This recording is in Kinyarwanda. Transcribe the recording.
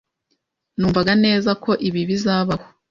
Numvaga neza ko ibi bizabaho.